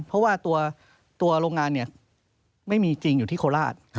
เพราะว่าตัวโรงงานไม่มีจริงอยู่ที่โคราช